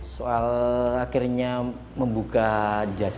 soal akhirnya membuka jasa